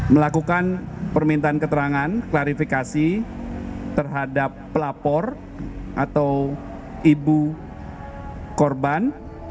melakukan permintaan keterangan klarifikasi terhadap pelapor atau ibu korban